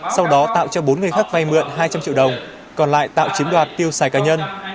sau đó tạo cho bốn người khác vay mượn hai trăm linh triệu đồng còn lại tạo chiếm đoạt tiêu xài cá nhân